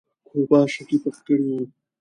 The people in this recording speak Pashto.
کوربه اشکې پخې کړې وې.